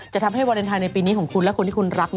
ทำให้วาเลนไทยในปีนี้ของคุณและคนที่คุณรัก